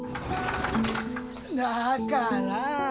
だから。